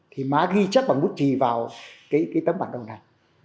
thì má ghi chất bằng bút trì vào cái tấm bản đồ này